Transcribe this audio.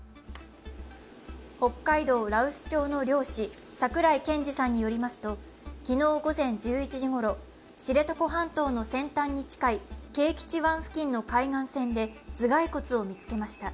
北海道羅臼町の漁師・桜井憲二さんによりますと、昨日午前１１時ごろ、知床半島の先端に近い啓吉湾付近の海岸線で頭蓋骨を見つけました。